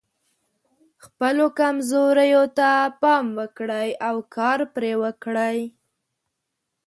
خپلو کمزوریو ته پام وکړئ او کار پرې وکړئ.